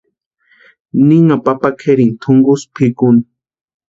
Ninha papa kʼerini túnkusï pʼikuni.